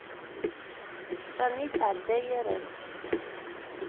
Sami yesɛedda yir ass.